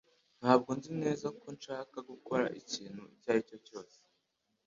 Ntabwo nzi neza ko nshaka gukora ikintu icyo ari cyo cyose